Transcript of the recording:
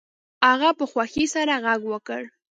هغه په خوښۍ سره غږ وکړ